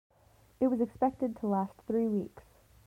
It was expected to last three weeks.